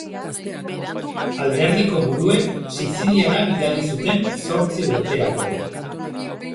Alderdiko buruek Siziliara bidali zuten zortzi urterako.